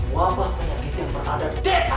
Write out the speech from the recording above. wabah penyakit yang berada di desa itu